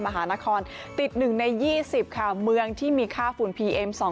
มหานะคอนติดหนึ่งในยี่สิบข่าวเมืองที่มีค่าฝุ่นพีเอ็มเรอม